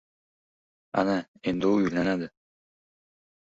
— Ana endi u uylanadi.